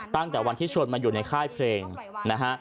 ตั้งแต่วันที่ชวนมาอยู่ในค่ายเพลงนะฮะ